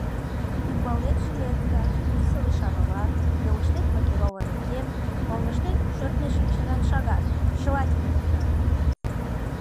Ӱмбалнет жилетка, плисовый шаровар, йолыштет лакированный кем, оҥыштет шӧртньӧ шинчыран шагат — чыла тиде мемнан!